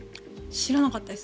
知らなかったです。